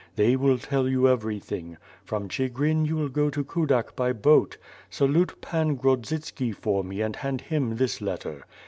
They will tell you everything. From Chigrin you will go to Kudak by boat. Salute Pan Grodzitski for me and hand him this letter.